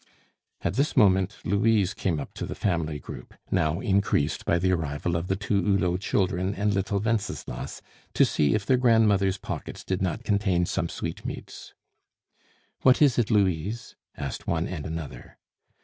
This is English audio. At this moment Louise came up to the family group, now increased by the arrival of the two Hulot children and little Wenceslas to see if their grandmother's pockets did not contain some sweetmeats. "What is it, Louise?" asked one and another.